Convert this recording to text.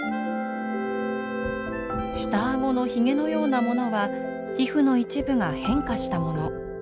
下顎のヒゲのようなものは皮膚の一部が変化したもの。